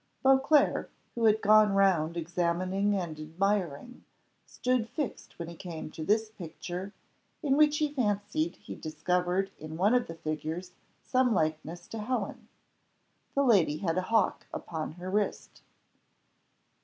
Beauclerc, who had gone round examining and admiring, stood fixed when he came to this picture, in which he fancied he discovered in one of the figures some likeness to Helen; the lady had a hawk upon her wrist.